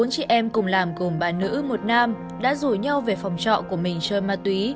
bốn chị em cùng làm gồm bà nữ một nam đã rủ nhau về phòng trọ của mình chơi ma túy